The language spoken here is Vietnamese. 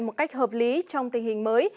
một cách hợp lý trong tình hình mới